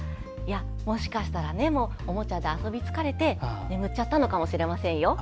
もしかしたらおもちゃで遊び疲れて眠っちゃったのかもしれませんよ。